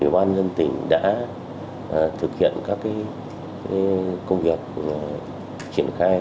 ủy ban dân tỉnh đã thực hiện các công việc triển khai